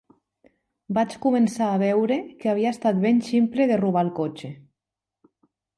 Vaig començar a veure que havia estat ben ximple de robar el cotxe.